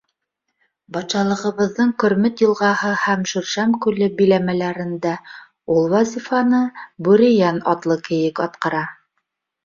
Батшалығыбыҙҙың Көрмөт йылғаһы һәм Шүршәм күле биләмәләрендә ул вазифаны Бүрейән атлы кейек атҡара.